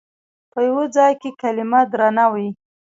په یوه ځای کې کلمه درنه وي.